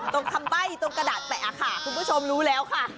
ตรงคำใบ้ตรงกระดาษแปะค่ะคุณผู้ชมรู้แล้วค่ะ